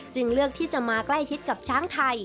เลือกที่จะมาใกล้ชิดกับช้างไทย